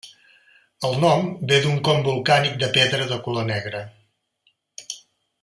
El nom ve d'un con volcànic de pedra de color negre.